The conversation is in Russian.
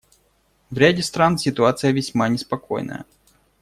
В ряде стран ситуация весьма неспокойная.